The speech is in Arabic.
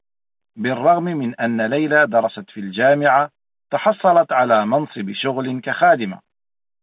بالرّغم من أنّ ليلى درست في الجامعة، تحصّلت على منصب شغل كخادمة.